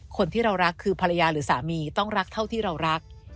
คนที่เรารักคือภรรยาหรือสามีต้องรักเท่าที่เรารัก